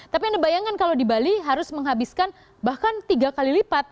tapi anda bayangkan kalau di bali harus menghabiskan bahkan tiga kali lipat